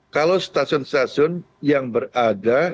kalau stasiun stasiun yang berada